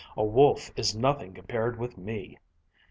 A wolf is nothing compared with me."